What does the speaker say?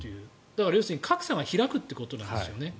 だから要するに格差が開くということなんですよね。